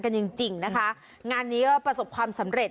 จริงจริงนะคะงานนี้ก็ประสบความสำเร็จ